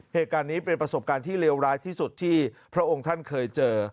เหตุการณ์นี้เป็นประสบการณ์ที่เลวร้ายที่สุดที่พระองค์ท่านเคยเจอ